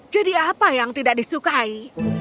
jadi apa yang tidak disukai